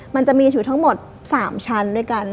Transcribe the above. มันจะมีชีวิตทั้งหมดสามชั้นด้วยกัน